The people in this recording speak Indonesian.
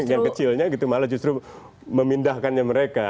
yang kecilnya gitu malah justru memindahkannya mereka